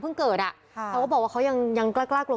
เพราะถ้าไม่ฉีดก็ไม่ได้